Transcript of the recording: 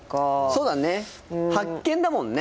そうだね発見だもんね。